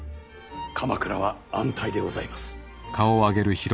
鎌倉は安泰でございます。